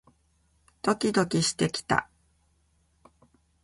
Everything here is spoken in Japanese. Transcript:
ドキドキしてきた